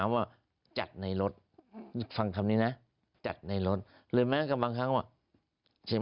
ไม่ได้มีเพิ่มกว่านี้